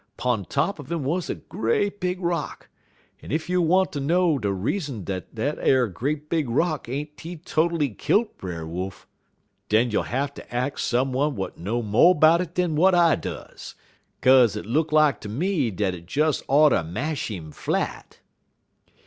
'pun top un 'im wuz a great big rock, en ef you want ter know de reason dat ar great big rock ain't teetotally kilt Brer Wolf, den you'll hatter ax some un w'at know mo' 'bout it dan w'at I does, 'kaze hit look lak ter me dat it des oughter mash 'im flat.